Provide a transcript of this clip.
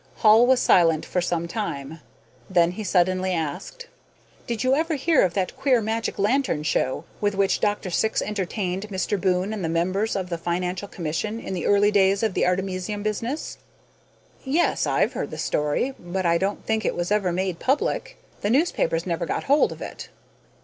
Hall was silent for some time; then he suddenly asked: "Did you ever hear of that queer magic lantern show with which Dr. Syx entertained Mr. Boon and the members of the financial commission in the early days of the artemisium business?" "Yes, I've heard the story, but I don't think it was ever made public. The newspapers never got hold of it."